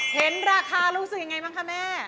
เห็นราคารู้สึกยังไงบ้างคะแม่